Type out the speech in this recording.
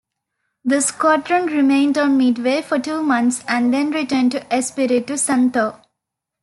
The squadron remained on Midway for two months and then returned to Espiritu Santo.